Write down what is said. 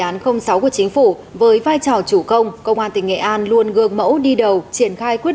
án sáu của chính phủ với vai trò chủ công công an tỉnh nghệ an luôn gương mẫu đi đầu triển khai quyết